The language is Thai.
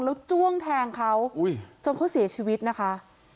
แล้วจ้วงแทงเขาจนเขาเสียชีวิตนะคะ